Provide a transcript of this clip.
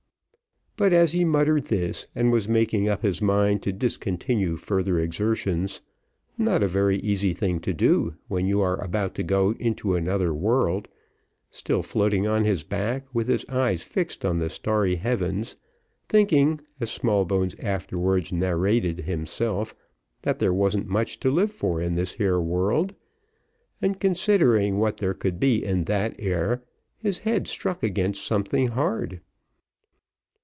But, as he muttered this, and was making up his mind to discontinue further exertions, not a very easy thing to do, when you are about to go into another world, still floating on his back, with his eyes fixed on the starry heavens, thinking, as Smallbones afterwards narrated himself, that there wa'n't much to live for in this here world, and considering what there could be in that 'ere, his head struck against something hard.